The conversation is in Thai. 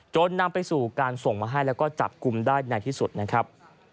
นำไปสู่การส่งมาให้แล้วก็จับกลุ่มได้ในที่สุดนะครับ